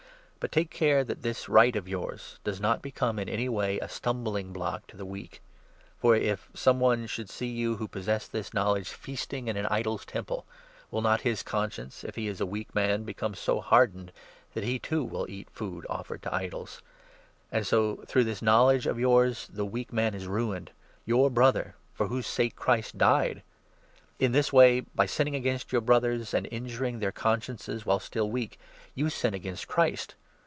But take care 9 that this right of yours does not become in any way a stumbling block to the weak. For if some one should see you 10 who possess this knowledge, feasting in an idol's temple, will not his conscience, if he is a weak man, become so hardened that he, too, will eat food offered to idols ? And so, through this 1 1 knowledge of yours, the weak man is ruined — your Brother for whose sake Christ died ! In this way, by sinning against your 12 Brothers and injuring their consciences, while still weak, you sin against Christ.